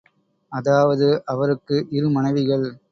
அதாவது அவருக்கு இரு மனைவிகள்.